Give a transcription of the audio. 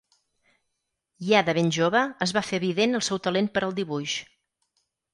Ja de ben jove es va fer evident el seu talent per al dibuix.